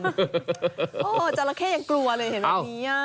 จราเข้ยังกลัวเลยเห็นแบบนี้